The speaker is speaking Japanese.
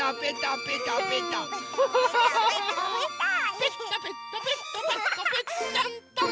ペッタペッタペッタペッタペッタンタン！